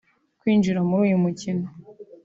Kwinjira muri uyu mukino